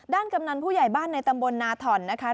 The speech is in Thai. ด้านกำหนังผู้ใหญ่บ้านในตำบลนาธรรมนะคะ